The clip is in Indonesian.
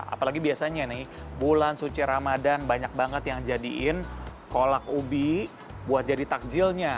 apalagi biasanya nih bulan suci ramadan banyak banget yang jadiin kolak ubi buat jadi takjilnya